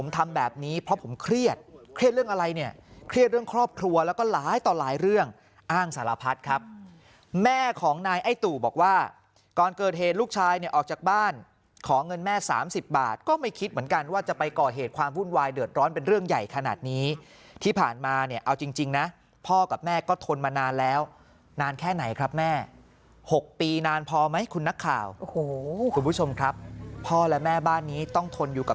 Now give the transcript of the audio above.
เครียดเรื่องอะไรเนี่ยเครียดเรื่องครอบครัวแล้วก็หลายต่อหลายเรื่องอ้างสารพัดครับแม่ของนายอ้ายตู่บอกว่าก่อนเกิดเหตุลูกชายเนี่ยออกจากบ้านขอเงินแม่๓๐บาทก็ไม่คิดเหมือนกันว่าจะไปก่อเหตุความวุ่นวายเดือดร้อนเป็นเรื่องใหญ่ขนาดนี้ที่ผ่านมาเนี่ยเอาจริงนะพ่อกับแม่ก็ทนมานานแล้วนานแค่ไหนครับแม่๖ปีนาน